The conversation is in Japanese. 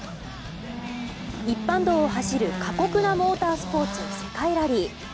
一般道を走る過酷なモータースポーツ、世界ラリー。